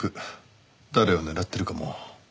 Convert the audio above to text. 誰を狙ってるかも。